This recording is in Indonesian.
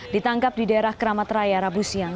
ditangkap di daerah keramateraya rabu siang